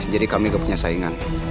jadi kami gak punya saingan